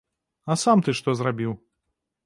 А сам ты што зрабіў?